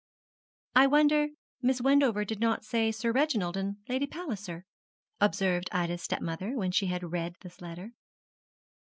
'I wonder Miss Wendover did not say Sir Reginald and Lady Palliser,' observed Ida's stepmother, when she had read this letter.